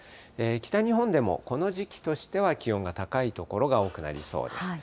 北日本でもこの時期としては気温が高い所が多くなりそうです。